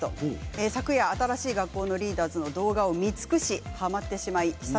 昨夜、新しい学校のリーダーズの動画を見尽くしはまってしまいました。